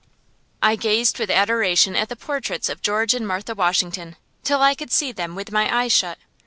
I gazed with adoration at the portraits of George and Martha Washington, till I could see them with my eyes shut.